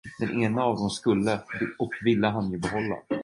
Den ena av dem skulle och ville han ju behålla.